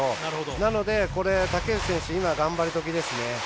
なので、竹内選手今が頑張りどきですね。